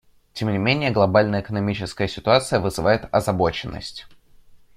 Тем не менее, глобальная экономическая ситуация вызывает озабоченность.